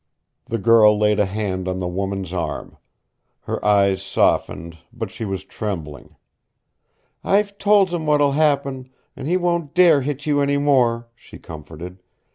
The girl laid a hand on the woman's arm. Her eyes softened, but she was trembling. "I've told him what'll happen, an' he won't dare hit you any more," she comforted.